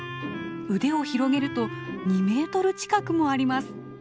腕を広げると２メートル近くもあります。